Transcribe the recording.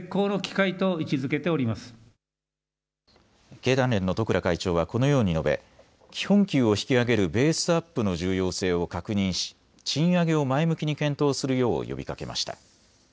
経団連の十倉会長はこのように述べ基本給を引き上げるベースアップの重要性を確認し賃上げを前向きに検討するよう呼びかけました。